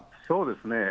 そうですね。